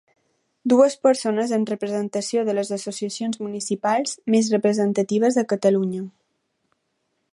Dues persones en representació de les associacions municipals més representatives a Catalunya.